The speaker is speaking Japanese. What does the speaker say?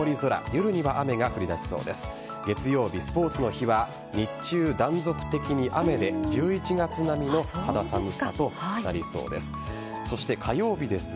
夜には雨が降り出しそうです。